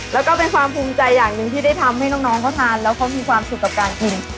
แล้วก็เป็นความภูมิใจอย่างหนึ่งที่ได้ทำให้น้องเขาทานแล้วเขามีความสุขกับการกิน